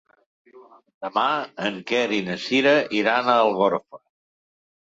Demà en Quer i na Sira iran a Algorfa.